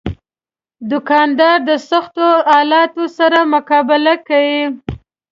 دوکاندار د سختو حالاتو سره مقابله کوي.